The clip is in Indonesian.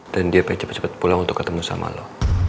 dan dia pengen cepet cepet pulang untuk ketemu sama lo